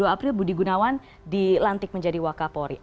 dua puluh dua april budi gunawan dilantik menjadi wakapolri